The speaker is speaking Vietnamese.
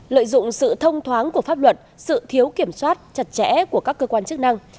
lợi dụng sự thông thoáng của pháp luật sự thiếu kiểm soát chặt chẽ của các cơ quan chức năng